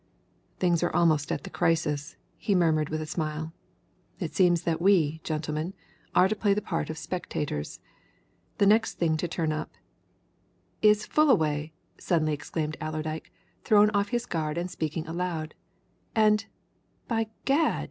"Things are almost at the crisis," he murmured with a smile. "It seems that we, gentlemen, are to play the part of spectators. The next thing to turn up " "Is Fullaway!" suddenly exclaimed Allerdyke, thrown off his guard and speaking aloud. "And, by Gad!